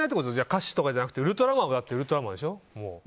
歌手とかじゃなくて「ウルトラマン」はウルトラマンでしょ。